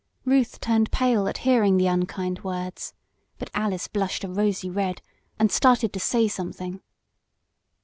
Ruth turned pale at hearing the unkind words, but Alice blushed a rosy red, and started to say something.